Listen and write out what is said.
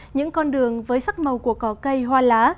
những con đường với sắc màu của cỏ cây hoa lá